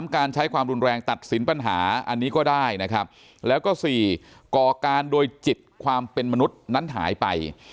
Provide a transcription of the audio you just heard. การใช้ความรุนแรงตัดสินปัญหาอันนี้ก็ได้นะครับแล้วก็๔ก่อการโดยจิตความเป็นมนุษย์นั้นหายไป